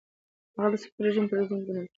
هغه د صفوي رژیم پرزوونکی ګڼل کیږي.